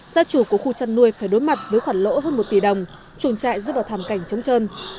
gia chủ của khu chăn nuôi phải đối mặt với khoản lỗ hơn một tỷ đồng trùng chạy giúp vào thảm cảnh chống chân